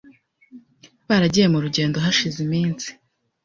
Baragiye murugendo hashize iminsi.